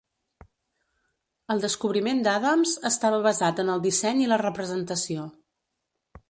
El descobriment d'Adams estava basat en el disseny i la representació.